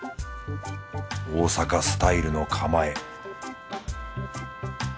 大阪スタイルの構え